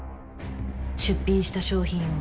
出品した商品を